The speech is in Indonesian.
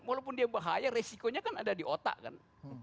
walaupun dia bahaya resikonya kan ada di otak kan